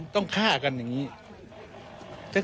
ต้องฆ่ากันอย่างนี้